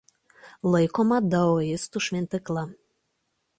Laikoma daoistų šventykla.